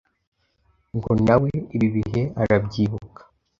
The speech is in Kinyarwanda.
Ngo nawe ibi bihe arabyibuka